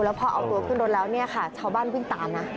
แล้วพอเอาตัวขึ้นรถแล้วเนี่ยค่ะชาวบ้านวิ่งตามนะ